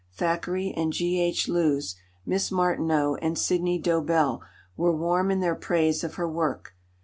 Thackeray and G. H. Lewes, Miss Martineau, and Sidney Dobell were warm in their praise of her work.